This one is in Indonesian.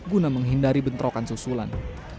guna menghindari bentrokan susulan